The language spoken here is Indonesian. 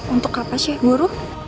untuk apa sih guru